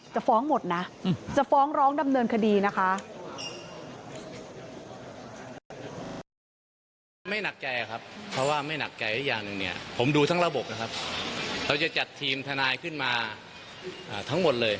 จะฟ้องหมดนะจะฟ้องร้องดำเนินคดีนะคะ